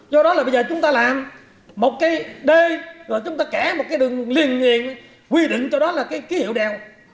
do đó là bây giờ chúng ta làm một cái đê rồi chúng ta kẽ một cái đường liền liền quy định cho đó là cái hiệu đèo